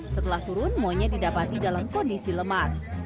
setelah turun monyet didapati dalam kondisi lemas